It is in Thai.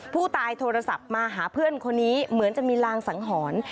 ผู้ตายโทรศัพท์มาหาเพื่อนคนนี้เหมือนจะมีรางสังหรณ์